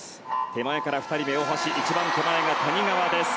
手前から２人が大橋一番手前が谷川です。